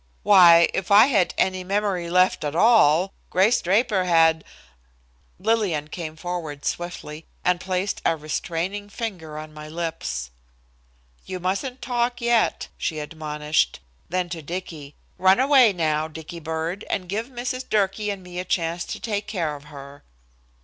Why, if I had any memory left at all, Grace Draper had Lillian came forward swiftly and placed a restraining finger on my lips. "You mustn't talk yet," she admonished; then to Dicky, "Run away now, Dicky bird, and give Mrs. Durkee and me a chance to take care of her."